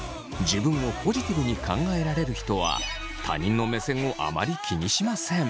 自分をポジティブに考えられる人は他人の目線をあまり気にしません。